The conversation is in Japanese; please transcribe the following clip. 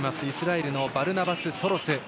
イスラエルのバルナバス・ソロス。